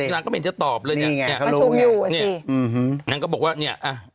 น้า้งก็เฉิงเฉินตอบเลยเนี้ย